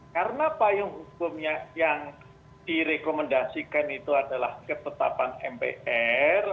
karena payung hukumnya yang direkomendasikan itu adalah ketetapan mpr